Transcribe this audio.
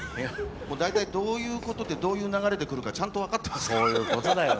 大体どういうことでどういう流れでくるかちゃんと分かってますからね。